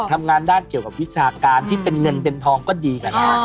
ทำงานด้านเกี่ยวกับวิชาการที่เป็นเงินเป็นทองก็ดีกัน